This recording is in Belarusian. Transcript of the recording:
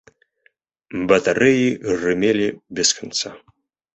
Батарэі грымелі без канца.